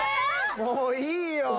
もういいよ！